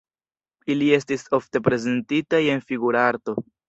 Ili estis ofte prezentitaj en figura arto.